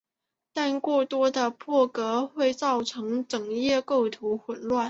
但过多的破格会造成整页构图的混乱。